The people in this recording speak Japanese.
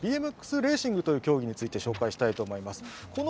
レーシングという競技について紹介したいと思います。